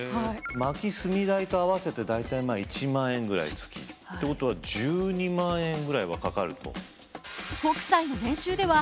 薪・炭代と合わせて大体１万円ぐらい月。ってことは１２万円ぐらいはかかると。